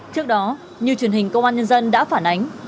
trước đó như truyền hình công an nhân dân đã phản ánh